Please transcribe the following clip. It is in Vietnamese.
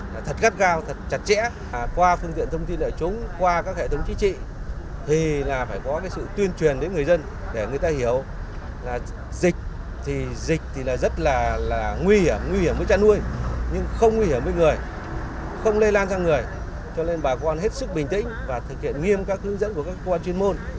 nguy hiểm với chăn nuôi nhưng không nguy hiểm với người không lây lan sang người cho nên bà con hết sức bình tĩnh và thực hiện nghiêm các hướng dẫn của các quán chuyên môn